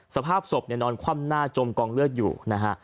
สภาพศพเนี่ยนอนคว่ำหน้าจมกองเลือดอยู่นะฮะ